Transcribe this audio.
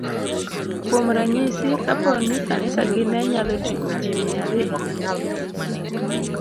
Kuom ranyisi, kapo ni kanisagi ne nyalo ting'o ji mia ariyo,